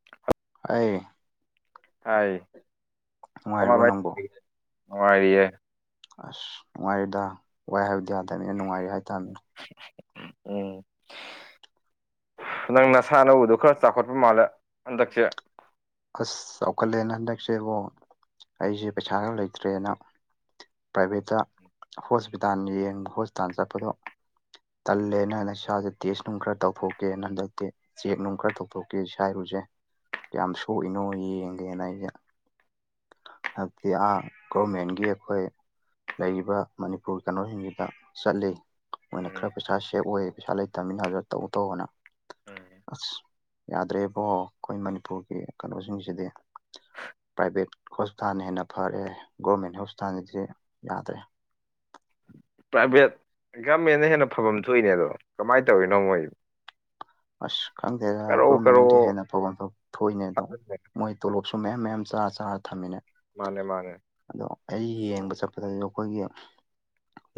[inaudible] ꯍꯦ꯫ ꯍꯥꯏ ꯅꯨꯡꯉꯥꯏꯔꯤꯕꯣ ꯀꯃꯃꯥꯏ ꯅꯪꯕꯣ ꯇꯧꯔꯤꯒꯦ ꯅꯨꯡꯉꯥꯏꯔꯤꯌꯦ ꯑꯁ ꯅꯨꯡꯉꯥꯏꯔꯤꯗ ꯋꯥꯏ ꯍꯥꯏꯕꯗꯤ ꯌꯥ ꯇꯕꯅꯤꯅ ꯅꯨꯡꯉꯥꯏꯔꯤ ꯍꯥꯏꯇꯕꯅꯤꯅꯦ ꯎꯝ꯫ ꯅꯪ ꯅꯁꯥ ꯅꯥꯎꯗꯣ ꯈꯔ ꯆꯥꯎꯈꯠꯄ ꯃꯥꯜꯂꯦ ꯍꯟꯗꯛꯁꯦ ꯑꯁ ꯆꯥꯎꯈꯠꯂꯦꯅ ꯍꯟꯗꯛꯁꯦꯕꯣ ꯑꯩꯁꯦ ꯄꯩꯁꯥ ꯈꯔ ꯂꯩꯇ꯭ꯔꯦꯅ ꯄ꯭ꯔꯥꯏꯚꯦꯠꯇ ꯍꯣꯁꯄꯤꯇꯥꯜ ꯌꯦꯡꯕ ꯍꯣꯁꯄꯤꯇꯥꯜ ꯆꯠꯄꯗꯣ ꯇꯜꯂꯦꯅ ꯍꯟꯗꯛ ꯏꯁꯥꯖꯦ ꯇꯦꯁ ꯅꯨꯡ ꯈꯔ ꯇꯧꯊꯣꯛꯀꯦꯅ ꯍꯟꯗꯛꯇꯤ ꯆꯦꯛ ꯅꯨꯡ ꯈꯔ ꯇꯧꯊꯣꯛꯀꯦ ꯏꯁꯥ ꯏꯔꯨꯖꯦ ꯀꯌꯥꯝ ꯁꯣꯛꯏꯅꯣ ꯌꯦꯡꯒꯦꯅ ꯑꯩꯁꯦ ꯍꯥꯏꯕꯗꯤ ꯑꯥ ꯒꯣꯔꯃꯦꯟꯒꯤ ꯑꯩꯈꯣꯏ ꯂꯩꯔꯤꯕ ꯃꯅꯤꯄꯨꯔ ꯀꯩꯅꯣꯁꯤꯡꯁꯤꯗ ꯆꯠꯂꯤ ꯃꯣꯏꯅ ꯎꯝ ꯈꯔ ꯄꯩꯁꯥ ꯁꯦꯕ ꯑꯣꯏ ꯄꯩꯁꯥ ꯂꯩꯇꯃꯤꯅ ꯑꯗꯨꯗ ꯇꯧ ꯇꯧꯑꯅ ꯑꯁ ꯌꯥꯗ꯭ꯔꯦꯕꯣ ꯑꯈꯣꯏ ꯃꯅꯤꯄꯨꯔꯒꯤ ꯀꯩꯅꯣꯁꯤꯡꯁꯤꯗꯤ ꯄ꯭ꯔꯥꯏꯚꯦꯠ ꯍꯣꯁꯄꯤꯇꯥꯜꯅ ꯍꯦꯟꯅ ꯐꯔꯦ ꯒꯣꯔꯃꯦꯟ ꯍꯣꯁꯄꯤꯇꯥꯜꯁꯤꯗꯤ ꯌꯥꯗ꯭ꯔꯦ ꯄ꯭ꯔꯥꯏꯚꯦꯠ ꯒꯃꯦꯟꯅ ꯍꯦꯟꯅ ꯐꯕꯝ ꯊꯣꯛꯏꯅꯦ ꯑꯗꯣ ꯀꯃꯥꯏꯅ ꯇꯧꯔꯤꯅꯣ ꯃꯣꯏꯖꯤ ꯑꯁ ꯈꯪꯗꯦꯗ ꯒꯣꯔꯃꯦꯟꯅꯗꯤ ꯀꯔꯧ ꯍꯦꯟꯅ ꯐꯕꯝ ꯊꯣꯛ ꯊꯣꯛꯏꯅꯦ ꯑꯗꯣ ꯃꯣꯏ ꯇꯣꯂꯣꯞꯁꯨ ꯃꯌꯥꯝ ꯃꯌꯥꯝ ꯆꯥꯔ ꯆꯥꯔ ꯊꯝꯃꯤꯅꯦ ꯃꯥꯅꯦ ꯃꯥꯅꯦ ꯑꯗꯣ ꯑꯩ ꯌꯦꯡꯕ ꯆꯠꯄꯗꯁꯨ ꯑꯈꯣꯏꯒꯤ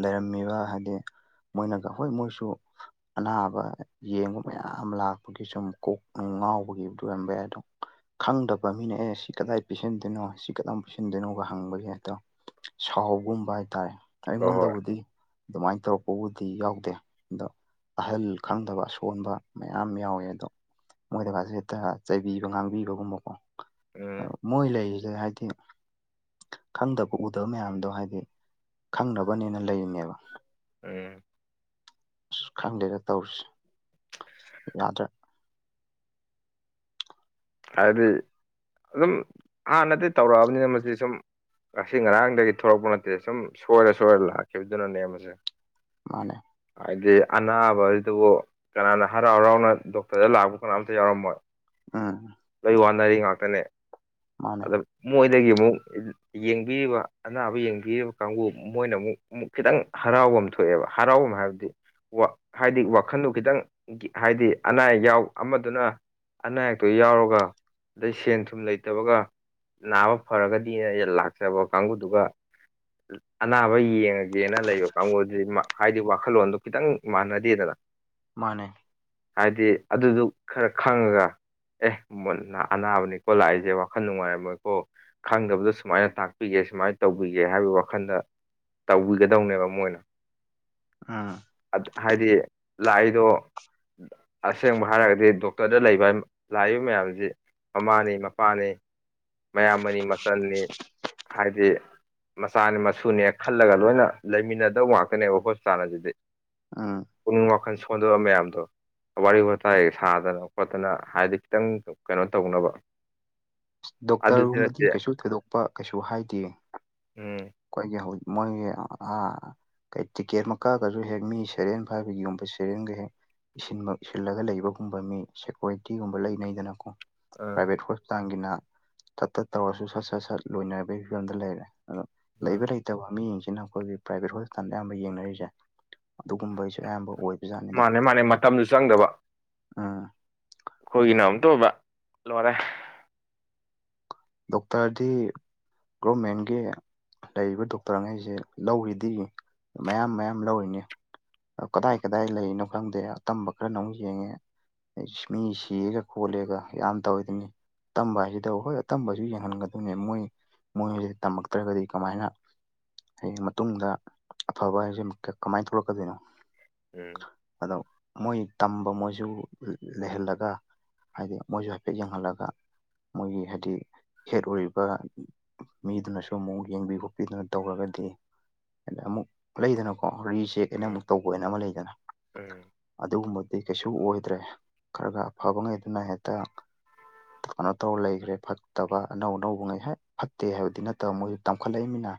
ꯂꯩꯔꯝꯃꯤꯕ ꯍꯥꯏꯗꯤ ꯃꯣꯏꯅꯒ ꯍꯣꯏ ꯃꯣꯏꯁꯨ ꯑꯅꯥꯕ ꯌꯦꯡꯉꯨ ꯃꯌꯥꯝ ꯂꯥꯛꯄꯒꯤ ꯁꯨꯝ ꯀꯣꯛ ꯅꯨꯡ ꯉꯥꯎꯕꯒꯤꯕꯨꯗꯤ ꯑꯣꯏꯔꯝꯕ ꯌꯥꯏ ꯑꯗꯣ ꯈꯪꯗꯕ ꯃꯤꯅ ꯑꯦ ꯁꯤ ꯀꯗꯥꯏ ꯄꯤꯁꯤꯟꯗꯣꯏꯅꯣ ꯁꯤ ꯀꯗꯣꯝ ꯄꯤꯁꯤꯟꯗꯣꯏꯅꯣꯒ ꯍꯪꯕꯖꯦ ꯍꯦꯛꯇ ꯁꯥꯎꯒꯨꯝꯕ ꯍꯥꯏꯇꯥꯔꯦ ꯍꯣꯏ ꯍꯣꯏ ꯑꯩꯉꯣꯟꯗꯕꯨꯗꯤ ꯑꯗꯨꯃꯥꯏꯅ ꯇꯧꯔꯛꯄꯕꯨꯗꯤ ꯌꯥꯎꯗꯦ ꯑꯗꯣ ꯑꯍꯜ ꯈꯪꯗꯕ ꯑꯁꯣꯟꯕ ꯃꯌꯥꯝ ꯌꯥꯎꯋꯦ ꯑꯗꯣ ꯃꯣꯏꯗꯒꯁꯨ ꯍꯦꯛꯇ ꯆꯩꯕꯤꯕ ꯉꯥꯡꯕꯤꯕꯒꯨꯝꯕꯀꯣ ꯎꯝ ꯃꯣꯏ ꯂꯩꯔꯤꯖꯦ ꯍꯥꯏꯗꯤ ꯈꯪꯗꯕ ꯎꯗꯕ ꯃꯌꯥꯝꯗꯣ ꯍꯥꯏꯗꯤ ꯈꯪꯅꯕꯅꯦꯅ ꯂꯩꯔꯤꯅꯦꯕ ꯎꯝ ꯑꯁ ꯈꯪꯗꯦꯅ ꯇꯧꯔꯤꯁꯦ ꯌꯥꯗ꯭ꯔꯦ ꯍꯥꯏꯗꯤ ꯑꯗꯨꯝ ꯍꯥꯟꯅꯗꯤ ꯇꯧꯔꯛꯑꯕꯅꯤ ꯃꯁꯤ ꯁꯨꯝ ꯉꯁꯤ ꯉꯔꯥꯡꯗꯒꯤ ꯊꯣꯔꯛꯄ ꯅꯠꯇꯦ ꯁꯨꯝ ꯁꯣꯏꯔ ꯁꯣꯏꯔ ꯂꯥꯛꯈꯤꯕꯗꯨꯅꯅꯦ ꯃꯁꯦ ꯃꯥꯟꯅꯦ ꯍꯥꯏꯗꯤ ꯑꯅꯥꯕꯖꯤꯗꯕꯨ ꯀꯅꯥꯅ ꯍꯔꯥꯎ ꯍꯔꯥꯎꯅ ꯗꯣꯛꯇ꯭ꯔꯗ ꯂꯥꯛꯄ ꯀꯅꯥꯝꯇ ꯌꯥꯎꯔꯝꯃꯣꯏ ꯑꯥ ꯂꯣꯏ ꯋꯥꯅꯔꯤ ꯉꯥꯛꯇꯅꯦ ꯃꯥꯅꯦ ꯑꯗ ꯃꯣꯏꯗꯒꯤ ꯑꯃꯨꯛ ꯌꯦꯡꯕꯤꯔꯤꯕ ꯑꯅꯥꯕ ꯌꯦꯡꯕꯤꯔꯤꯕ ꯀꯥꯡꯕꯨ ꯃꯣꯏꯅ ꯑꯃꯨꯛ ꯑꯃꯨꯛ ꯈꯤꯇꯪ ꯍꯔꯥꯎꯕꯝ ꯊꯣꯛꯑꯦꯕ ꯍꯔꯥꯎꯕꯝ ꯍꯥꯏꯕꯗꯤ ꯋꯥꯛ ꯍꯥꯏꯗꯤ ꯋꯥꯈꯟꯗꯨ ꯈꯤꯇꯪ ꯍꯥꯏꯗꯤ ꯑꯅꯥ ꯑꯌꯦꯛ ꯌꯥꯎ ꯑꯃꯗꯨꯅ ꯑꯅꯥ ꯑꯌꯦꯛ ꯇꯨ ꯌꯥꯎꯔꯒ ꯑꯗꯩ ꯁꯦꯟ ꯊꯨꯝ ꯂꯩꯇꯕꯒ ꯅꯥꯕ ꯐꯔꯒꯗꯤꯅ ꯑꯩꯖꯦ ꯂꯥꯛꯆꯕ ꯀꯥꯡꯕꯨꯗꯨꯒ ꯑꯅꯥꯕ ꯌꯦꯡꯉꯒꯦꯅ ꯂꯩꯕ ꯀꯥꯡꯒꯨꯗꯤ ꯃꯛ ꯍꯥꯏꯗꯤ ꯋꯥꯈꯜꯂꯣꯟꯗꯣ ꯈꯤꯇꯪ ꯃꯥꯟꯅꯗꯦꯗꯅ ꯃꯥꯟꯅꯦ ꯍꯥꯏꯗꯤ ꯑꯗꯨꯗꯨ ꯈꯔ ꯈꯪꯉꯒ ꯑꯦ ꯃꯨꯟꯅ ꯑꯅꯥꯕꯅꯤꯀꯣ ꯂꯥꯛꯏꯖꯦ ꯋꯥꯈꯟ ꯅꯨꯡꯉꯥꯏꯔꯝꯃꯣꯏꯀꯣ ꯈꯪꯗꯕꯗꯣ ꯁꯨꯃꯥꯏꯅ ꯇꯥꯛꯄꯤꯒꯦ ꯁꯨꯃꯥꯏꯅ ꯇꯧꯕꯤꯒꯦ ꯍꯥꯏꯕꯒꯤ ꯋꯥꯈꯟꯗ ꯇꯧꯕꯤꯒꯗꯧꯅꯦꯕ ꯃꯣꯏꯅ ꯑꯥ ꯑꯠ ꯍꯥꯏꯗꯤ ꯂꯥꯛꯏꯗꯣ ꯑꯁꯦꯡꯕ ꯍꯥꯏꯔꯒꯗꯤ ꯗꯣꯛꯇ꯭ꯔꯗ ꯂꯩꯕ ꯂꯥꯛꯏꯕ ꯃꯌꯥꯝꯖꯤ ꯃꯃꯥꯅꯤ ꯃꯄꯥꯅꯤ ꯃꯌꯥꯝꯕꯅꯤ ꯃꯆꯟꯅꯤ ꯍꯥꯏꯗꯤ ꯃꯆꯥꯅꯦ ꯃꯁꯨꯅꯦ ꯈꯜꯂꯒ ꯂꯣꯏꯅ ꯂꯩꯃꯤꯟꯅꯗꯧꯕ ꯉꯥꯛꯇꯅꯦꯕ ꯍꯣꯁꯄꯤꯇꯥꯜ ꯑꯁꯤꯗꯤ ꯑꯥ ꯄꯨꯛꯅꯤꯡ ꯋꯥꯈꯟ ꯁꯣꯟꯗꯕ ꯃꯌꯥꯝꯗꯣ ꯋꯥꯔꯤ ꯋꯥꯇꯥꯏ ꯁꯥꯗꯅ ꯈꯣꯠꯇꯅ ꯍꯥꯏꯗꯤ ꯈꯤꯇꯪ ꯀꯩꯅꯣ ꯇꯧꯅꯕ ꯑꯗꯨꯗꯤ ꯅꯠꯇꯦ ꯗꯣꯛꯇ꯭ꯔꯒꯨꯝꯕꯗꯤ ꯀꯩꯁꯨ ꯊꯣꯏꯗꯣꯛꯄ ꯀꯩꯁꯨ ꯍꯥꯏꯗꯦ ꯎꯝ ꯈꯣꯏꯒꯤ ꯍꯧ ꯃꯣꯏꯒꯤ ꯑꯥ ꯀꯩ ꯇꯤꯛꯀꯦꯠꯃꯛ ꯀꯛꯑꯒꯖꯨ ꯍꯦꯛ ꯃꯤ ꯁꯦꯔꯦꯟ ꯐꯥꯏꯚ ꯌꯨꯝꯕ ꯁꯦꯔꯦꯟꯒ ꯍꯦꯛ ꯁꯤꯟꯕꯝ ꯁꯤꯜꯂꯒ ꯂꯩꯕꯒꯨꯝꯕ ꯃꯤ ꯁꯦꯀꯣꯔꯤꯇꯤꯒꯨꯝꯕ ꯂꯩꯅꯩꯗꯅꯀꯣ ꯑꯥ ꯄ꯭ꯔꯥꯏꯚꯦꯠ ꯍꯣꯁꯄꯤꯇꯥꯟꯒꯤꯅ ꯇꯠ ꯇꯠ ꯇꯧꯔꯁꯨ ꯁꯠ ꯁꯠ ꯁꯠ ꯂꯣꯏꯅꯕꯩ ꯐꯤꯕꯝꯗ ꯂꯩꯔꯦ ꯑꯥ ꯂꯩꯕꯔꯩ ꯇꯕ ꯃꯤꯖꯤꯡꯖꯤꯅ ꯑꯈꯣꯏꯒꯤ ꯄ꯭ꯔꯥꯏꯕꯦꯠ ꯍꯣꯁꯄꯤꯇꯥꯟꯗ ꯑꯌꯥꯝꯕ ꯌꯦꯡꯅꯔꯤꯖꯦ ꯑꯗꯨꯒꯨꯝꯕꯩꯁꯨ ꯑꯌꯥꯝꯕ ꯑꯣꯏ ꯃꯥꯜꯂꯦ ꯃꯥꯜꯂꯦ ꯃꯇꯝꯖꯨ ꯆꯪꯗꯕ ꯑ ꯑꯈꯣꯏꯒꯤꯅ ꯑꯃꯨꯛꯇꯣꯏꯕ ꯂꯣꯏꯔꯦ ꯗꯣꯛꯇ꯭ꯔꯗꯤ ꯒꯣꯔꯃꯦꯟꯒꯤ ꯂꯩꯔꯤꯕ ꯗꯣꯛꯇ꯭ꯔꯉꯩꯖꯦ ꯂꯧꯔꯤꯗꯤ ꯃꯌꯥꯝ ꯃꯌꯥꯝ ꯂꯧꯔꯤꯅꯤ ꯑ ꯀꯗꯥꯏ ꯎꯝ ꯀꯗꯥꯏ ꯂꯩꯔꯤꯅꯣ ꯈꯪꯗꯦ ꯑꯇꯝꯕ ꯈꯔꯅ ꯑꯃꯨꯛ ꯌꯦꯡꯉꯦ ꯃꯤ ꯁꯤꯔꯦꯒ ꯈꯣꯠꯂꯦꯒ ꯌꯥꯝ ꯇꯧꯋꯤꯗꯨꯅꯤ ꯑꯇꯝꯕ ꯍꯥꯏꯖꯤꯗꯕꯨ ꯍꯣꯏ ꯑꯇꯝꯕꯖꯨ ꯌꯦꯡꯍꯟꯒꯗꯣꯏꯅꯦ ꯃꯣꯏ ꯃꯣꯏꯑꯖꯦ ꯇꯝꯃꯛꯇ꯭ꯔꯒꯗꯤ ꯀꯃꯥꯏꯅ ꯍꯌꯦꯡ ꯃꯇꯨꯡꯗ ꯑꯐꯕ ꯍꯥꯏꯖꯦꯃꯨꯛ ꯀꯃꯥꯏ ꯊꯣꯛꯂꯛꯀꯗꯣꯏꯅꯣ ꯎꯝ ꯑꯗꯧ ꯃꯣꯏ ꯇꯝꯕ ꯃꯣꯏꯁꯨ ꯂꯩꯍꯜꯂꯒ ꯍꯥꯏꯗꯤ ꯃꯣꯏꯁꯨ ꯍꯥꯏꯐꯦꯠ ꯌꯦꯡꯍꯜꯂꯒ ꯃꯣꯏꯒꯤ ꯍꯥꯏꯗꯤ ꯍꯦꯠ ꯑꯣꯏꯔꯤꯕ ꯃꯤꯗꯨꯅꯁꯨ ꯑꯃꯨꯛ ꯌꯦꯡꯕꯤ ꯈꯣꯠꯄꯤꯗꯨꯅ ꯇꯧꯔꯒꯗꯤ ꯑꯦꯗꯤ ꯑꯃꯨꯛ ꯂꯩꯗꯅꯀꯣ ꯔꯤꯆꯦꯛ ꯑꯅ‌ ꯎꯝ ꯑꯃꯨꯛ ꯇꯧꯕ ꯑꯅꯤ ꯑꯃ ꯂꯩꯗꯅ ꯎꯝ ꯑꯗꯨꯒꯨꯝꯕ ꯗꯤ ꯀꯩꯁꯨ ꯑꯣꯏꯗ꯭ꯔꯦ ꯈꯔ ꯈꯔ ꯑꯐꯕꯉꯩꯗꯨꯅ ꯍꯦꯛꯇ ꯀꯩꯅꯣ ꯇꯧ ꯂꯩꯒ꯭ꯔꯦ ꯐꯠ ꯇꯕ ꯑꯅꯧ ꯑꯅꯧꯕꯉꯩ ꯍꯦꯛ ꯐꯠꯇꯦ ꯍꯥꯏꯕꯗꯤ ꯅꯠꯇꯕ ꯃꯣꯏꯖꯨ ꯇꯝꯈꯠꯂꯛꯏꯝꯅꯤꯅ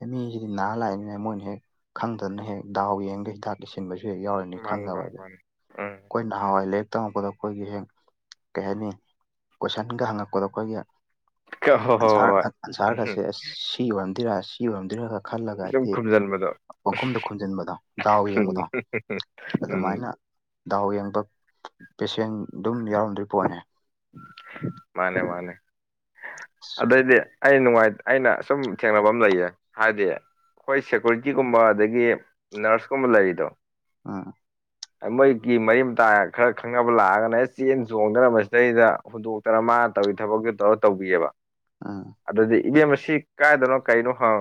ꯑꯦ ꯃꯤꯖꯤꯗꯤ ꯅꯥꯔ ꯂꯥꯛꯏꯅꯤꯅ ꯃꯣꯏꯅ ꯍꯦꯛ ꯈꯪꯗꯗꯅ ꯍꯦꯛ ꯗꯥꯎ ꯌꯦꯡꯒꯩ ꯍꯤꯗꯥꯛ ꯂꯩꯁꯤꯟꯕꯁꯨ ꯍꯦꯛ ꯌꯥꯎꯔꯔꯤ ꯃꯥꯅꯤ ꯃꯥꯅꯤ ꯃꯥꯅꯤ ꯎꯝ ꯑꯩꯈꯣꯏꯅ ꯉꯍꯥꯟꯋꯥꯏ ꯂꯥꯏꯔꯤꯛ ꯇꯝꯃꯛꯄꯗ ꯑꯩꯈꯣꯏꯒꯤ ꯍꯦꯛ ꯀꯩ ꯍꯥꯏꯅꯤ ꯀꯣꯏꯁꯟꯒ ꯍꯪꯉꯛꯄꯗꯣ ꯑꯩꯈꯣꯏꯒꯤ ꯍꯣꯏ ꯍꯣꯏ ꯑꯟꯁꯔ ꯍꯣꯏ ꯎꯝ ꯑꯟꯁꯔꯒꯁꯦ ꯁꯤ ꯑꯣꯏꯔꯝꯗꯣꯏꯔ ꯁꯤ ꯑꯣꯏꯔꯝꯗꯣꯏꯔꯒ ꯈꯜꯂꯒ ꯁꯨꯝ ꯑꯩꯗꯤ ꯈꯨꯝꯖꯤꯟꯕꯗꯣ ꯄꯡꯈꯨꯝꯗ ꯈꯨꯝꯟꯖꯤꯟꯕꯗꯣ ꯗꯥꯎ ꯎꯝ ꯌꯦꯡꯕꯗꯣ ꯎꯝ ꯑꯗꯨꯃꯥꯏꯅ ꯗꯥꯎ ꯌꯦꯡꯕ ꯄꯦꯁꯦꯟ ꯑꯗꯨꯝ ꯌꯥꯎꯔꯝꯗꯣꯔꯤ ꯄꯣꯠꯅꯦ ꯃꯥꯅꯦ ꯃꯥꯅꯦ ꯑꯗꯩꯗꯤ ꯑꯩ ꯅꯨꯡꯉꯥꯏ ꯑꯩꯅ ꯁꯨꯝ ꯊꯦꯡꯅꯕ ꯑꯃ ꯂꯩꯌꯦ ꯍꯥꯏꯗꯤ ꯑꯩꯈꯣꯏ ꯁꯦꯀꯨꯔꯤꯇꯤꯒꯨꯝꯕ ꯑꯗꯒꯤ ꯅꯔꯁꯀꯨꯝꯕ ꯂꯩꯔꯤꯗꯣ ꯑꯥ ꯃꯣꯏꯒꯤ ꯃꯔꯤ ꯃꯇꯥ ꯈꯔ ꯈꯪꯅꯕ ꯂꯥꯛꯑꯒꯅꯦ ꯑꯦꯁ ꯆꯦꯟ ꯆꯣꯡꯗꯅ ꯃꯁꯤꯗꯩꯗ ꯍꯨꯟꯗꯣꯛꯇꯅ ꯃꯥ ꯇꯧꯒꯤ ꯊꯕꯛꯇꯨ ꯇꯧꯔ ꯇꯧꯕꯤꯑꯕ ꯑꯥ [unintelligible] ꯑꯗꯨꯗꯤ ꯏꯕꯦꯝ ꯑꯁꯤ ꯀꯥꯏꯗꯅꯣ ꯀꯩꯅꯣ ꯍꯪ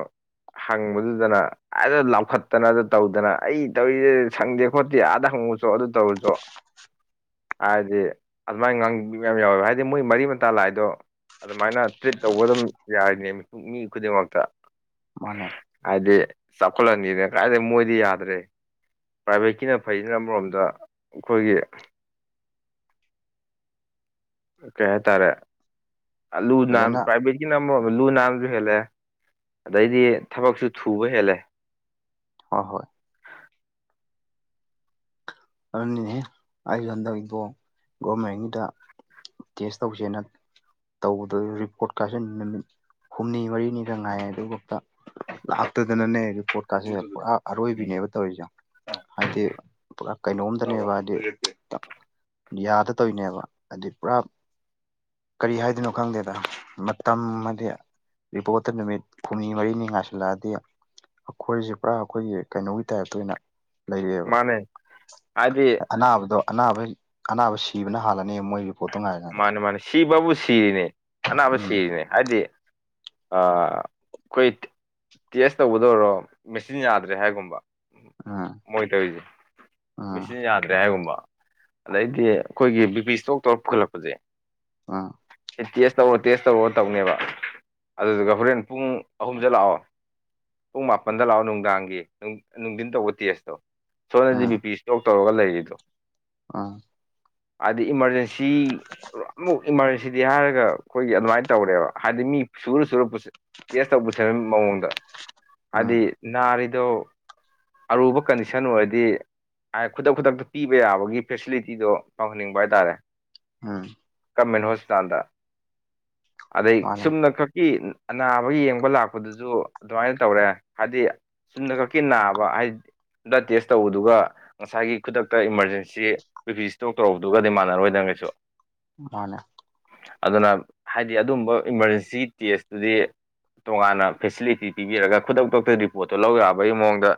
ꯍꯪꯕꯗꯨꯗꯅ ꯑꯗ ꯂꯥꯎꯈꯠꯇꯅꯗ ꯇꯧꯗꯅ ꯑꯩ ꯇꯧꯔꯤꯁꯦ ꯁꯪꯗꯦ ꯈꯣꯠꯇꯦ ꯑꯥꯗ ꯍꯪꯉꯨ ꯑꯗꯨ ꯇꯧꯔꯁꯨ ꯍꯥꯏꯗꯤ ꯑꯗꯨꯃꯥꯏꯅ ꯉꯥꯡꯕ ꯃꯌꯥꯝ ꯌꯥꯎꯋꯦꯕ ꯍꯥꯏꯗꯤ ꯃꯣꯏ ꯃꯔꯤ ꯃꯇꯥ ꯂꯥꯛꯏꯗꯣ ꯑꯗꯨꯃꯥꯏꯅ ꯇ꯭ꯔꯤꯠ ꯇꯧꯕ ꯑꯗꯨꯝ ꯌꯥꯏꯅꯦ ꯃꯤꯄ ꯃꯤ ꯈꯨꯗꯤꯡꯃꯛꯇ ꯃꯅꯦ ꯍꯥꯏꯗꯤ ꯆꯥꯎꯈꯠꯂꯟꯅꯤꯗꯅ ꯀꯥꯏꯗꯒꯤ ꯃꯣꯏꯗꯤ ꯌꯥꯗ꯭ꯔꯦ ꯄ꯭ꯔꯥꯏꯚꯦꯠꯀꯤꯅ ꯐꯅ ꯑꯃꯔꯣꯝꯗ ꯑꯩꯈꯣꯏꯒꯤ ꯀꯩ ꯍꯥꯏꯇꯥꯔꯦ ꯑꯂꯨ ꯅꯥꯥꯟ ꯐꯖꯅ ꯄꯥꯏꯕꯦꯠ ꯑꯃ ꯂꯨ ꯅꯥꯟꯕꯁꯨ ꯍꯦꯜꯂꯦ ꯑꯗꯩꯗꯤ ꯊꯕꯛꯁꯨ ꯊꯨꯕ ꯍꯦꯜꯂꯦ ꯍꯣꯏ ꯍꯣꯏ ꯑꯗꯨꯅꯦ ꯑꯩ ꯍꯟꯗꯛ ꯏꯕꯨ ꯒꯣꯔꯃꯦꯟꯒꯤꯗ ꯇꯦꯁ ꯇꯧꯁꯦꯅ ꯇꯧꯕꯗ ꯔꯤꯄꯣꯔꯠ ꯀꯥꯁꯦ ꯅꯨꯃꯤꯠ ꯍꯨꯝꯅꯤ ꯃꯔꯤꯅꯤꯗ ꯉꯥꯏ ꯑꯗꯨꯐꯥꯎꯗ ꯂꯥꯛꯇꯗꯅꯅꯦ ꯔꯤꯄꯣꯔꯠ ꯀꯥꯔꯠꯁꯦ ꯄꯨꯔꯥ ꯑꯔꯣꯏꯕꯤꯅꯦꯕ ꯇꯧꯔꯤꯁꯦ ꯍꯥꯏꯗꯤ ꯄꯨꯔꯥ ꯀꯩꯅꯣꯝꯇꯅꯦꯕ ꯍꯥꯏꯗꯤ ꯌꯥꯗ ꯇꯧꯔꯤꯅꯦꯕ ꯍꯥꯏꯗꯤ ꯄꯨꯔꯥ ꯀꯔꯤ ꯍꯥꯏꯗꯣꯏꯅꯣ ꯈꯪꯗꯦꯗ ꯃꯇꯝ ꯑꯃꯗꯤ ꯔꯤꯄꯣꯠꯇ ꯅꯨꯃꯤꯠ ꯍꯨꯝꯅꯤ ꯃꯔꯤꯅꯤ ꯉꯥꯏꯁꯤꯜꯂꯛꯑꯗꯤ ꯑꯩꯈꯣꯏꯁꯦ ꯄꯨꯔꯥ ꯑꯩꯈꯣꯏꯒꯤ ꯀꯩꯅꯣꯒꯤ ꯇꯥꯏꯞꯇ ꯑꯣꯏꯅ ꯂꯩꯔꯛꯑꯦꯕ ꯃꯥꯅꯦ ꯍꯥꯏꯗꯤ ꯑꯅꯥꯕꯗꯣ ꯑꯅꯥꯕ ꯑꯅꯥꯕ ꯁꯤꯕꯅ ꯍꯥꯜꯂꯅꯤ ꯃꯣꯏꯒꯤ ꯃꯥꯅꯦ ꯃꯥꯅꯤ ꯁꯤꯕꯕꯨ ꯁꯤꯔꯤꯅꯦ ꯑꯅꯥꯕ ꯎꯝ ꯁꯤꯔꯤꯅꯦ ꯍꯥꯏꯗꯤ ꯑ ꯀꯣꯏ ꯇꯦꯁ ꯇꯧꯕꯗ ꯑꯣꯏꯔꯣ ꯃꯦꯆꯤꯟ ꯌꯥꯗ꯭ꯔꯦ ꯍꯥꯏꯒꯨꯝꯕ ꯎ ꯎꯝ ꯃꯣꯏ ꯇꯧꯔꯤꯁꯦ ꯎꯝ ꯃꯦꯆꯤꯟ ꯌꯥꯗ꯭ꯔꯦ ꯍꯥꯏꯒꯨꯝꯕ ꯑꯗꯩꯗꯤ ꯑꯩꯈꯣꯏꯒꯤ ꯕꯤ ꯄꯤ ꯏꯁꯇꯣꯛ ꯇꯧꯔ ꯄꯨꯈꯠꯂꯛꯄꯁꯦ ꯑꯪ ꯑꯦ ꯇꯦꯁ ꯇꯧꯔꯣ ꯇꯦꯁ ꯇꯧꯔꯣ ꯇꯧꯅꯦꯕ ꯑꯗꯨꯗꯨꯒ ꯍꯣꯔꯦꯟ ꯄꯨꯡ ꯑꯍꯨꯝꯗ ꯂꯥꯛꯑꯣ ꯄꯨꯡ ꯃꯥꯄꯟꯗ ꯂꯥꯛꯑꯣ ꯅꯨꯡꯗꯥꯡꯒꯤ ꯅꯨꯡꯊꯤꯟ ꯇꯧꯕ ꯇꯦꯁꯇꯣ ꯁꯣꯅꯗꯤ ꯕꯤ ꯄꯤ ꯏꯁꯇꯣꯛ ꯇꯧꯔꯒ ꯂꯩꯔꯤꯗꯣ ꯑꯥ ꯍꯥꯏꯗꯤ ꯏꯃꯥꯔꯖꯦꯟꯁꯤ ꯑꯃꯨꯛ ꯏꯃꯥꯔꯖꯦꯟꯁꯤꯗꯤ ꯍꯥꯏꯔꯒ ꯑꯩꯈꯣꯏꯒꯤ ꯑꯗꯨꯃꯥꯏꯅ ꯇꯧꯔꯦꯕ ꯍꯥꯏꯗꯤ ꯃꯤ ꯁꯨꯔ ꯁꯨꯔꯛꯄꯁꯦ ꯇꯦꯁ ꯇꯧꯕꯁ ꯃꯑꯣꯡꯗ ꯍꯥꯏꯕꯗꯤ ꯎꯝ ꯅꯥꯔꯤꯗꯣ ꯑꯔꯨꯕ ꯀꯟꯗꯤꯁꯟ ꯑꯣꯏꯔꯗꯤ ꯈꯨꯗꯛ ꯈꯨꯗꯛꯇ ꯄꯤꯕ ꯌꯥꯕꯒꯤ ꯐꯦꯁꯤꯂꯤꯇꯤꯗꯣ ꯇꯪꯍꯟꯅꯤꯡꯕ ꯍꯥꯏꯇꯥꯔꯦ ꯎꯝ ꯒꯃꯦꯟ ꯍꯣꯁꯄꯤꯇꯥꯜꯗ ꯑꯗꯩ ꯃꯥꯅꯦ ꯆꯨꯝꯅ ꯈꯛꯀꯤ ꯑꯅꯥꯕ ꯌꯦꯡꯕ ꯂꯥꯛꯄꯗꯨꯁꯨ ꯑꯗꯨꯃꯥꯏꯅ ꯇꯧꯔꯦ ꯍꯥꯏꯗꯤ ꯆꯨꯝꯅ ꯈꯛꯀꯤ ꯅꯥꯕ ꯍꯥꯏꯗꯤ ꯗ ꯇꯦꯁ ꯇꯧꯕꯗꯨꯒ ꯉꯁꯥꯏꯒꯤ ꯈꯨꯗꯛꯇ ꯏꯃꯥꯔꯖꯦꯟꯁꯤ ꯄ ꯏꯁꯇꯣꯛ ꯇꯧꯔꯗꯨꯒꯗꯤ ꯃꯥꯟꯅꯔꯣꯏꯗꯅ ꯀꯩꯁꯨ ꯑꯅꯦ ꯑꯗꯨꯅ ꯍꯥꯏꯗꯤ ꯑꯗꯨꯝꯕ ꯏꯃꯥꯔꯖꯦꯟꯁꯤ ꯇꯦꯁꯇꯨꯗꯤ ꯇꯣꯉꯥꯟꯅ ꯐꯦꯁꯤꯂꯤꯇꯤ ꯄꯤꯕꯤꯔꯒ ꯈꯨꯗꯛꯇꯛꯇ ꯔꯤꯄꯣꯔꯠꯇꯣ ꯂꯧ ꯌꯥꯕꯒꯤ ꯃꯑꯣꯡꯗ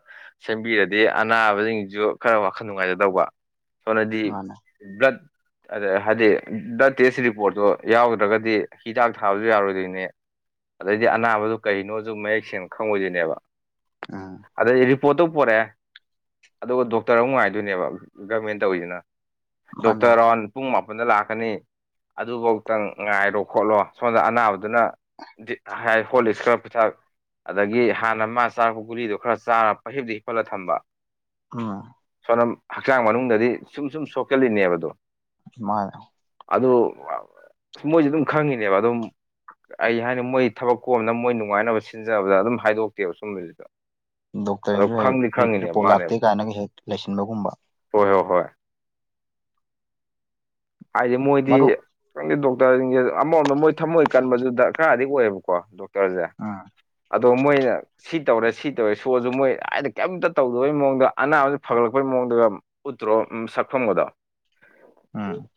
ꯁꯦꯝꯕꯤꯔꯗꯤ ꯑꯅꯥꯕꯁꯤꯡꯁꯨ ꯈꯔ ꯋꯥꯈꯜ ꯅꯨꯡꯉꯥꯏꯖꯗꯧꯕ ꯁꯣꯅꯗꯤ ꯃꯥꯅꯦ ꯕ꯭ꯂꯠ ꯑ ꯍꯥꯏꯗꯤ ꯕ꯭ꯂꯗ ꯇꯦꯁ ꯔꯤꯄꯣꯔꯠꯇꯨ ꯌꯥꯎꯗ꯭ꯔꯒꯗꯤ ꯍꯤꯗꯥꯛ ꯊꯥꯕꯁꯨ ꯌꯥꯔꯣꯏꯗꯣꯏꯅꯦ ꯑꯗꯩꯗꯤ ꯑꯅꯥꯕꯗꯨ ꯀꯩꯅꯣꯁꯨ ꯃꯌꯦꯛ ꯁꯦꯡꯅ ꯈꯪꯉꯣꯏꯗꯣꯏꯅꯦꯕ ꯑꯥ ꯑꯗꯩ ꯔꯤꯄꯣꯔꯠꯇꯧ ꯄꯣꯔꯛꯑꯦ ꯑꯗꯨꯒ ꯗꯣꯛꯇꯔ ꯑꯃ ꯉꯥꯏꯗꯣꯏꯅꯦꯕ ꯒꯃꯦꯟ ꯇꯧꯔꯤꯁꯤꯅ ꯃꯥꯅꯦ ꯗꯣꯛꯇꯔ ꯑꯥꯎꯟ ꯄꯨꯡ ꯃꯥꯄ ꯁꯗ ꯂꯥꯛꯀꯅꯤ ꯑꯗꯨꯐꯧꯇꯪ ꯉꯥꯏꯔꯣ ꯈꯣꯠꯂꯣ ꯁꯣꯝꯗ ꯑꯅꯥꯕꯗ ꯑꯗꯨꯅ ꯍꯣꯂꯤꯁ ꯈꯔ ꯄꯩꯊꯥ ꯑꯗꯒꯤ ꯍꯥꯟꯅ ꯃꯥ ꯆꯥꯔꯛꯄ ꯒꯨꯂꯤꯗꯣ ꯈꯔ ꯆꯥꯔꯄ ꯍꯤꯞꯇ ꯍꯤꯞꯠꯂꯒ ꯊꯝꯕ ꯑ [unintelligible] [inaudible] ꯁꯣꯅꯝ ꯍꯛꯆꯥꯡ ꯃꯅꯨꯡꯗꯗꯤ ꯁꯨꯝ ꯁꯨꯝ ꯁꯣꯛꯀꯜꯂꯤꯅꯦꯕꯗꯣ ꯃ [unintelligible] [inaudible] ꯑꯗꯨ ꯃꯣꯏꯁꯦ ꯑꯗꯨꯝ ꯈꯪꯉꯤꯅꯦꯕ ꯑꯗꯨꯝ ꯑꯩ ꯍꯥꯏꯅꯤ ꯃꯣꯏ ꯊꯕꯛ ꯀꯣꯝꯅ ꯃꯣꯏ ꯅꯨꯡꯉꯥꯏꯅꯕ ꯁꯤꯟꯖꯕꯗ ꯑꯗꯨꯝ ꯍꯥꯏꯗꯣꯛꯇꯦꯕ ꯁꯨꯝꯕꯁꯤꯗ ꯑꯗꯣ ꯗꯣꯛꯇꯔꯁꯤꯡꯁꯨ ꯍ ꯈꯪꯗꯤ ꯈꯪꯉꯤꯅꯦꯕ ꯔꯤꯄꯣꯔꯠ ꯃꯥꯅꯦꯕ ꯂꯥꯛꯇꯦ ꯀꯥꯏꯅꯒ ꯍꯦꯛ ꯂꯩꯁꯤꯟꯕꯒꯨꯝꯕ ꯍꯣꯏ ꯍꯣꯏ ꯍꯣꯏ [unintelligible] [inaudible] ꯍꯥꯏꯗꯤ ꯃꯣꯏꯗꯤ ꯃꯔꯨꯞ ꯈꯪꯗꯦ ꯗꯣꯛꯇꯔꯁꯤꯡꯁꯦ ꯑꯃꯔꯝꯗ ꯃꯣꯏ ꯊꯝꯃꯣꯏ ꯀꯟꯕꯁꯨꯗ ꯈꯔꯗꯤ ꯑꯣꯏꯌꯦꯕꯀꯣ ꯗꯣꯛꯇꯔꯁꯦ ꯑꯥ ꯑꯗꯣ ꯃꯣꯏꯅ ꯁꯤ ꯇꯧꯔꯦ ꯁꯤ ꯇꯧꯔꯦ ꯁꯣꯔꯁꯨ ꯃꯣꯏ ꯍꯥꯏꯗ ꯀꯩꯝꯇ ꯇꯧꯗꯕꯩ ꯃꯑꯣꯡꯗ ꯑꯅꯥꯕꯕꯁꯤ ꯐꯒꯠꯂꯛꯄꯒꯤ ꯃꯑꯣꯡꯗ ꯄꯨꯠꯇ꯭ꯔꯣ ꯁꯈꯝꯕꯗꯣ ꯎꯝ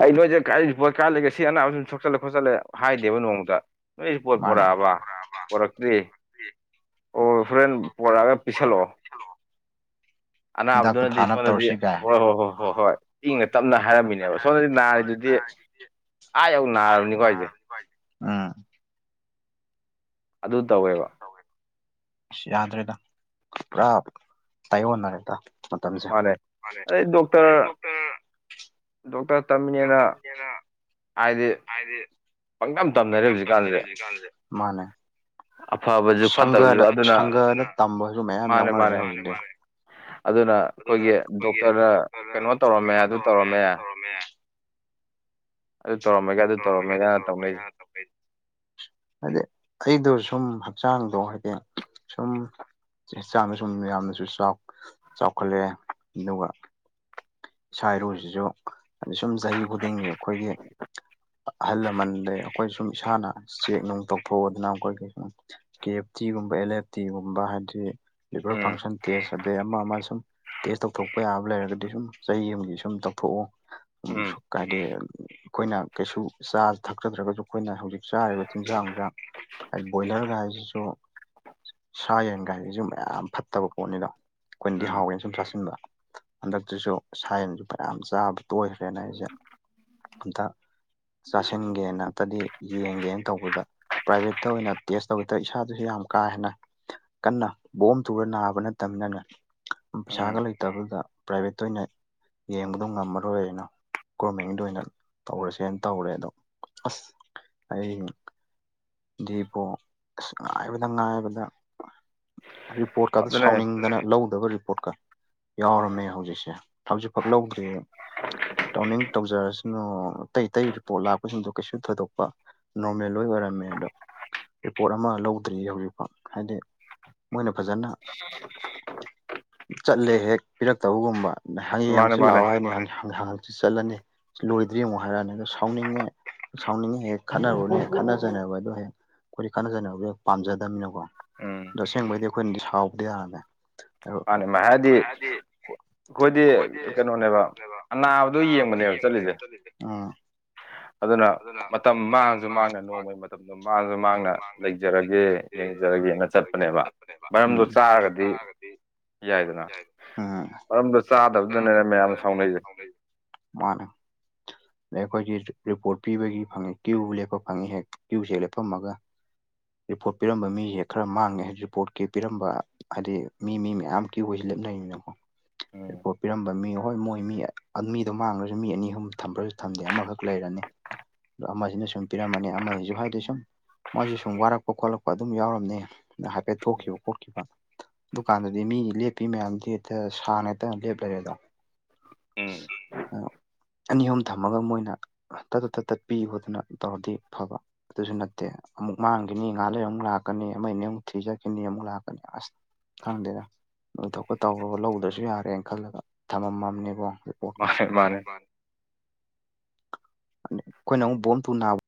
ꯑꯩ ꯅꯣꯏꯁꯦ ꯀ ꯄꯣꯠ ꯀꯥꯂꯒ ꯁꯤ ꯑꯅꯥꯕ ꯁꯨꯝ ꯁꯣꯛꯆꯜꯂꯦ ꯈꯣꯠꯆꯜꯂꯦ ꯍꯥꯏꯗꯦꯕ ꯅꯣꯡꯃꯗ ꯅꯣꯏ ꯄꯣꯠ ꯃꯥꯅꯦ ꯄꯣꯔꯛꯑꯕ ꯄꯣꯔꯛꯇ꯭ꯔꯤ ꯑꯣ ꯍꯣꯔꯦꯟ ꯄꯣꯔꯛꯑꯒ ꯄꯤꯁꯜꯂꯛꯑꯣ ꯍꯤꯗꯥꯛꯇꯣ ꯑꯅꯥꯕꯗꯨꯅꯗꯤ ꯊꯥꯅꯕ ꯏꯁꯣꯝꯗꯗꯤ ꯇꯧꯔꯁꯤ ꯀꯥꯏ ꯍꯣꯏ ꯍꯣꯏ ꯍꯣꯏ ꯍꯣꯏ ꯍꯣꯏ ꯏꯪꯅ ꯇꯞꯅ ꯍꯥꯏꯔꯝꯃꯤꯅꯦꯕ ꯍꯥꯏꯔꯝꯃꯤ ꯁꯣꯝꯗꯗꯤ ꯍꯣꯏ ꯅꯥꯔꯤꯗꯨꯗꯤ ꯅꯥꯔꯤꯗꯨꯗꯤ ꯑꯥ ꯌꯧ ꯅꯥꯔꯕꯅꯤꯀꯣ ꯑꯩꯁꯦ ꯑꯥ [unintelligible] [inaudible] ꯑꯗꯨ ꯇꯧꯋꯦꯕ ꯑꯁ ꯌꯥꯗ꯭ꯔꯦꯗ ꯄꯨꯔꯥ ꯇꯥꯏꯌꯣꯟꯅꯔꯦꯗ ꯃꯁ ꯃꯥꯅꯦ ꯑꯗꯩ ꯃꯥ ꯗꯣꯛꯇꯔ ꯗꯣꯛꯇꯔ ꯗꯣꯛꯇꯔ ꯇꯝꯃꯤꯅꯦꯅ ꯍꯥꯏꯗꯤ ꯍꯥꯏꯗꯤ ꯄꯪꯗꯝ ꯄꯪꯀꯝ ꯇꯝꯅꯔꯦ ꯍꯧꯖꯤꯛꯀꯥꯟꯁꯦ ꯃꯥꯅꯦ ꯑꯐꯕꯁꯨ ꯐꯠꯇꯕꯁꯨ ꯁꯪꯒꯗ ꯑꯗꯨꯅ ꯁꯪꯒꯗ ꯇꯝꯕꯁꯨ ꯃꯌꯥꯝ ꯃꯥꯅꯦ ꯌꯥꯎꯅꯔꯛꯑꯦ ꯃꯥꯅꯦ ꯍꯧꯖꯤꯛꯇꯤ ꯑꯗꯨꯅ ꯑꯩꯈꯣꯏꯒꯤ ꯗꯣꯛꯇꯔꯅ ꯀꯩꯅꯣ ꯇꯧꯔꯝꯃꯦ ꯑꯗꯨ ꯇꯧꯔꯝꯃꯦ ꯑꯗꯨ ꯇꯧꯔꯝꯃꯦꯒ ꯑꯗꯨ ꯇꯧꯔꯝꯃꯦꯒ ꯑꯗꯨ ꯇꯧꯔꯝꯃꯦꯒꯅ ꯇꯧꯔꯝꯃꯦꯒ ꯇꯧꯅꯩꯁꯦ ꯇꯧꯗꯣꯢꯅꯦ ꯍꯥꯏꯗꯤ ꯑꯩꯗꯣ ꯁꯨꯝ ꯍꯛꯆꯥꯡꯗꯣ ꯍꯥꯏꯗꯤ ꯁꯨꯝ ꯆ ꯆꯥꯡꯗ ꯁꯨꯝ ꯌꯥꯝꯌꯥꯝꯅꯁꯨ ꯆꯥꯎꯈꯠꯂꯛꯑꯦ ꯑꯗꯨꯒ ꯏꯁꯥ ꯏꯔꯨꯁꯤꯁꯨ ꯑ ꯁꯨꯝ ꯆꯍꯤ ꯈꯨꯗꯤꯡꯒꯤ ꯑꯩꯈꯣꯏꯒꯤ ꯑꯍꯜ ꯂꯃꯟꯗꯩ ꯑꯩꯈꯣꯏ ꯁꯨꯝ ꯏꯁꯥꯅ ꯆꯦꯛ ꯅꯨꯡ ꯇꯧꯊꯣꯛꯑꯗꯅ ꯑꯩꯈꯣꯏ ꯀꯩ ꯁꯨꯝ ꯀꯦ ꯑꯦꯐ ꯇꯤꯒꯨꯝꯕ ꯑꯦꯜ ꯑꯦꯐ ꯇꯤꯒꯨꯝꯕ ꯍꯥꯏꯗꯤ ꯂꯤꯚꯔ ꯎꯝ ꯐꯪꯁꯟ ꯇꯦꯁ ꯑꯗꯩ ꯑꯃ ꯑꯃ ꯁꯨꯝ ꯇꯦꯁ ꯇꯧꯊꯣꯛꯄ ꯌꯥꯕ ꯂꯩꯔꯒꯗꯤ ꯁꯨꯝ ꯆꯍꯤ ꯑꯃꯒꯤ ꯁꯨꯝ ꯇꯧꯊꯣꯛꯎ ꯁꯨꯝ ꯎꯝ ꯁꯨꯛ ꯀꯗꯗꯤ ꯑꯩꯈꯣꯏꯅ ꯀꯩꯁꯨ ꯆꯥ ꯊꯛꯆꯗ꯭ꯔꯒꯁꯨ ꯑꯩꯈꯣꯏꯅ ꯍꯧꯖꯤꯛ ꯆꯥꯔꯤꯕ ꯇꯤꯟꯖꯥꯡꯗ ꯕꯣꯏꯂꯔꯒ ꯍꯥꯏꯁꯤꯁꯨ ꯁꯥ ꯌꯦꯟꯒꯥꯏꯁꯤꯁꯨ ꯃꯌꯥꯝ ꯐꯠꯇꯕ ꯄꯣꯠꯅꯤꯗꯣ ꯑꯩꯈꯣꯏꯅꯗꯤ ꯎꯝ ꯍꯥꯎꯒꯦꯅ ꯁꯨꯝ ꯁꯥꯁꯤꯡꯟꯗ ꯍꯟꯗꯛꯇꯨꯁꯨ ꯁꯥꯏꯟꯁꯨ ꯐꯌꯥꯝ ꯆꯥꯕ ꯇꯣꯏꯈ꯭ꯔꯦꯅ ꯑꯩꯁꯦ ꯑꯝꯇ ꯆꯥꯁꯤꯟꯒꯦꯅꯝꯇꯗꯤ ꯌꯦꯡꯒꯦꯅ ꯇꯧꯕꯤꯕ ꯄ꯭ꯔꯥꯏꯚꯦꯠꯇ ꯑꯣꯏꯅ ꯇꯦꯁ ꯇꯧꯕꯗ ꯏꯁꯥꯗꯨꯁꯨ ꯌꯥꯝ ꯀꯥ ꯍꯦꯟꯅ ꯀꯟꯅ ꯕꯣꯝ ꯊꯨꯔ ꯅꯥꯕ ꯅꯠꯇꯃꯤꯅ ꯄꯩꯁꯥꯒ ꯎꯝ ꯂꯩꯇꯕꯗꯨꯗ ꯄ꯭ꯔꯥꯏꯚꯦꯠꯇ ꯑꯣꯏꯅ ꯌꯦꯡꯕꯗꯣ ꯉꯝꯃꯔꯣꯏ ꯑꯩꯅ ꯒꯣꯔꯃꯦꯟꯗ ꯑꯣꯏꯅ ꯇꯧꯔꯁꯦꯅ ꯇꯧꯔꯦ ꯑꯗꯣ ꯑꯁ ꯑꯩ ꯗꯤꯕꯣ ꯑꯁ ꯉꯥꯏꯕꯗ ꯉꯥꯏꯕꯗ ꯔꯤꯄꯣꯔꯠꯀ ꯑꯗꯨ ꯑꯗꯨꯅꯦ ꯁꯥꯎꯅꯤꯡꯗꯅ ꯂꯧꯗꯕ ꯔꯤꯄꯣꯔꯠꯀ ꯌꯥꯎꯔꯝꯃꯦ ꯍꯧꯖꯤꯛꯁꯦ ꯍꯧꯖꯤꯛꯐꯛ ꯂꯧꯗ꯭ꯔꯦ ꯇꯧꯅꯤꯡ ꯇꯧꯖꯔꯁꯅꯨ ꯑꯇꯩ ꯑꯇꯩ ꯔꯤꯄꯣꯠ ꯂꯥꯛꯄꯁꯤꯡꯗꯣ ꯀꯩꯁꯨ ꯊꯣꯏꯗꯣꯛꯄ ꯅꯣꯔꯃꯦꯜ ꯂ ꯑꯣꯏꯔꯝꯃꯦ ꯑꯗꯣ ꯔꯤꯄꯣꯔꯠ ꯑꯃ ꯂꯧꯗ꯭ꯔꯤ ꯍꯧꯖꯤꯛꯐꯥꯎ ꯍꯥꯏꯗꯤ ꯃꯣꯏꯅ ꯐꯖꯅ ꯆꯠꯂꯦ ꯍꯦꯛ ꯄꯤꯔꯛꯇꯕꯒꯨꯝꯕ ꯃꯥꯅꯦ ꯍꯪꯌꯦꯡꯪꯁꯨ ꯃꯥꯅꯦ ꯂꯥꯛꯑꯣ ꯍꯥꯏ ꯆꯠꯂꯅꯤ ꯂꯣꯏꯗ꯭ꯔꯤꯃꯨꯛ ꯍꯥꯏꯔꯛꯑꯅꯤ ꯑꯗꯣ ꯁꯥꯎꯅꯤꯡꯉꯦ ꯁꯥꯎꯅꯤꯡꯉꯦ ꯍꯦꯛ ꯈꯠꯅꯔꯨꯔꯅꯦ ꯍꯦꯛ ꯈꯠꯅꯖꯅꯕ ꯑꯗꯣ ꯍꯦꯛ ꯑꯩꯈꯣꯏꯗꯤ ꯀꯥꯟꯅꯖꯅꯕꯗꯤ ꯍꯦꯛ ꯄꯥꯝꯖꯗꯃꯤꯅꯀꯣ ꯎꯝ ꯑꯗꯣ ꯑꯁꯦꯡꯕꯩꯗꯤ ꯑꯩꯈꯣꯏꯅꯗꯤ ꯁꯥꯎꯗꯤ ꯃꯥꯅꯦ ꯍꯥꯏꯗꯤ ꯌꯥꯔꯝꯃꯦ ꯗꯤ ꯑꯩꯈꯣꯏꯗꯤ ꯑꯩꯈꯣꯏꯗꯤ ꯀꯩꯅꯣꯅꯦꯕ ꯑꯅꯥꯕꯗꯣ ꯀꯅꯥꯕꯗꯣ ꯌꯦꯡꯕꯅꯦꯕ ꯌꯦꯡꯕꯅꯦ ꯑ ꯆꯠꯂꯤꯁꯦ ꯆꯂꯤꯁꯦ ꯑꯗꯨꯅ ꯃꯇꯝ ꯃꯥꯡꯁꯨ ꯃꯥꯡꯅ ꯃꯥꯡꯉ ꯅꯣꯡꯃꯩ ꯃꯇꯝꯗꯣ ꯃꯥꯡꯁꯨ ꯃꯥꯡꯅ ꯂꯩꯖꯔꯒꯦ ꯌꯦꯡꯖꯔꯒꯦꯅ ꯌꯦꯡꯖꯔꯒꯦꯅ ꯆꯠꯄꯅꯦꯕ ꯃꯔꯝꯗꯣ ꯎꯝ ꯆꯥꯔꯒꯗꯤ ꯇꯥꯔꯒꯗꯤ ꯌꯥꯏꯗꯅ ꯃꯔꯝꯗꯨ ꯃꯔꯝꯗꯣ ꯆꯥꯗꯕꯗꯨꯅꯦꯅ ꯃꯌꯥꯝ ꯇꯥꯗꯕꯗꯨꯅ ꯁꯥꯎꯅꯩꯁꯦ ꯁꯥꯎꯅꯩ ꯃꯥꯅꯦ ꯑꯗꯩ ꯑꯩꯈꯣꯏꯒꯤ ꯔꯤꯄꯣꯔꯠ ꯄꯤꯕꯒꯤ ꯐꯪꯉꯤ ꯀ꯭ꯌꯨ ꯂꯦꯞꯄ ꯐꯪꯉꯤ ꯍꯦꯛ ꯀ꯭ꯌꯨꯁ ꯍꯦꯛ ꯂꯦꯞꯄꯝꯃꯒ ꯔꯤꯄꯣꯔꯠ ꯄꯤꯔꯝꯕ ꯃꯤꯁꯦ ꯈꯔ ꯃꯥꯡꯉꯦ ꯍꯥꯏ ꯔꯤꯄꯣꯔꯠꯀꯤ ꯄꯤꯔꯝꯕ ꯍꯥꯏꯗꯤ ꯃꯤ ꯃꯤ ꯃꯌꯥꯝ ꯀ ꯑꯣꯏꯁꯤ ꯂꯦꯞꯅꯔꯤꯅꯉꯣ ꯎꯝ ꯔꯤꯄꯣꯔꯠ ꯄꯤꯔꯝꯕ ꯃꯤ ꯍꯣꯏ ꯃꯣꯏ ꯃꯤ ꯃꯤꯗꯣ ꯃꯥꯡꯈ꯭ꯔꯁꯨ ꯃꯤ ꯑꯅꯤ ꯑꯍꯨꯝ ꯊꯝꯕ꯭ꯔꯁꯨ ꯊꯝꯗꯦ ꯑꯃꯈꯛ ꯂꯩꯔꯅꯤ ꯑꯗꯣ ꯑꯃꯁꯤꯅ ꯁꯨꯝ ꯄꯤꯔꯝꯃꯅꯤ ꯑꯃꯁꯤꯁꯨ ꯍꯥꯏꯗꯣꯏ ꯁꯨꯝ ꯃꯥꯁꯨ ꯁꯨꯝ ꯋꯥꯔꯛꯄ ꯈꯣꯠꯂꯛꯄ ꯑꯗꯨꯝ ꯌꯥꯎꯔꯝꯅꯦ ꯍꯥꯏꯐꯦꯠ ꯊꯣꯛꯈꯤꯕ ꯈꯣꯠꯈꯤꯕ ꯗꯨꯀꯥꯟꯗꯗꯤ ꯃꯤ ꯂꯦꯞꯄꯤ ꯃꯌꯥꯝꯗꯤ ꯍꯦꯛꯇ ꯁꯥꯥꯡꯅ ꯍꯦꯛꯇ ꯂꯦꯞꯂꯔꯦꯗꯣ ꯎꯝ ꯑꯅꯤ ꯑꯍꯨꯝ ꯊꯝꯃꯒ ꯃꯣꯏꯅ ꯇꯠ ꯇꯠ ꯇꯠ ꯇꯠꯄꯤꯌꯨ ꯈꯣ ꯑꯗꯨꯅ ꯇꯧꯔꯗꯤ ꯐꯕ ꯑꯗꯨꯁꯨ ꯅꯠꯇꯦ ꯑꯃꯨꯛ ꯃꯥꯡꯈꯤꯅꯤ ꯉꯍꯥꯟ ꯂꯩ ꯑꯃꯨꯛ ꯂꯥꯛꯀꯅꯤ ꯑꯃꯅꯤ ꯑꯃꯨꯛ ꯊꯤꯖꯈꯤꯅꯤ ꯑꯃꯨꯛ ꯂꯥꯛꯀꯅꯤ ꯑꯁ ꯈꯪꯗꯦꯗ ꯑꯗꯨꯊꯄ ꯇꯧꯔꯒ ꯂꯧꯗ꯭ꯔꯁꯨ ꯌꯥꯔꯦꯅ ꯈꯜꯂꯒ ꯊꯝꯃꯝꯃꯝꯅꯦꯕꯣ ꯃꯥꯅꯦ ꯃꯥꯅꯦ ꯑꯩꯈꯣꯏꯅ ꯑꯃꯨꯛ ꯕꯣꯟ ꯄꯨ ꯅꯥꯕ